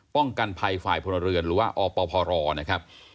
กันภัยฝ่ายพลเรือนหรือว่าอปพรนะครับ